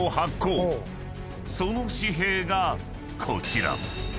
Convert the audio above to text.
［その紙幣がこちら］